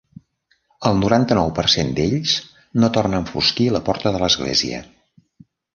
El noranta-nou per cent d'ells no torna a enfosquir la porta de l'església.